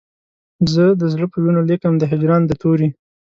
زه د زړه په وینو لیکم د هجران د توري